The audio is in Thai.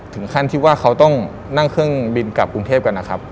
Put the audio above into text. ถึงขั้นที่ว่าเขาต้องนั่งเครื่องบินกลับกรุงเทพกันนะครับ